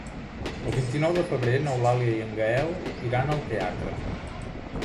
El vint-i-nou de febrer n'Eulàlia i en Gaël iran al teatre.